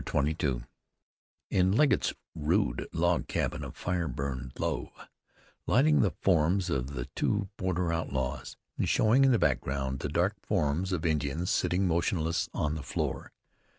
CHAPTER XXII In Legget's rude log cabin a fire burned low, lightening the forms of the two border outlaws, and showing in the background the dark forms of Indians sitting motionless on the floor.